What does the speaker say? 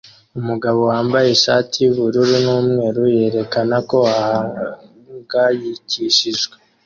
Umugabo wambaye ishati yubururu numweru yerekana ko ahangayikishijwe